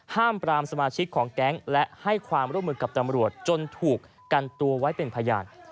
ปรามสมาชิกของแก๊งและให้ความร่วมมือกับตำรวจจนถูกกันตัวไว้เป็นพยาน